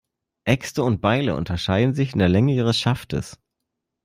Äxte und Beile unterscheiden sich in der Länge ihres Schaftes.